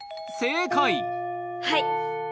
はい。